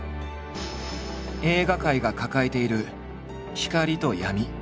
映画界が抱えている光と闇。